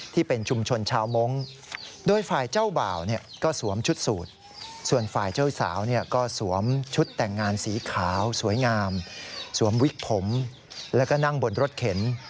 ทำวิกผมและก็นั่งบนรถเข็น